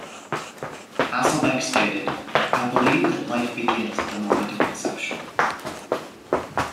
Hasselbeck stated, I believe that life begins at the moment of conception.